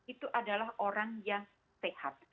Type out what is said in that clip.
itu adalah orang yang sehat